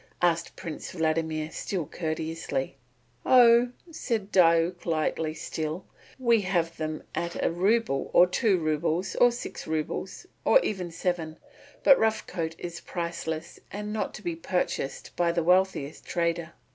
asked Prince Vladimir still courteously. "Oh," said Diuk lightly still, "we have them at a rouble, or two roubles, or six roubles, or even seven, but Rough Coat is priceless and not to be purchased by the wealthiest trader."